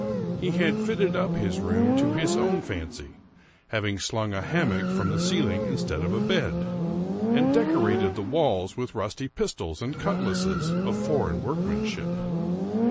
He had fitted up his room to his own fancy, having slung a hammock from the ceiling instead of a bed, and decorated the walls with rusty pistols and cutlasses of foreign work manship.